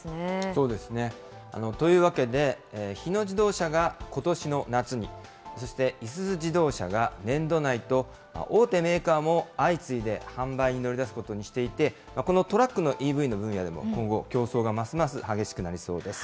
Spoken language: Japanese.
そうですね。というわけで、日野自動車がことしの夏に、そして、いすゞ自動車が年度内と、大手メーカーも相次いで販売に乗り出すことにしていて、このトラックのＥＶの分野でも今後、競争がますます激しくなりそうです。